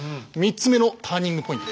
３つ目のターニングポイント